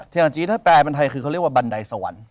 เทียงเลาจีถ้าแบบเป็นไทยคือเขาเรียกว่าบันไดสวรรค์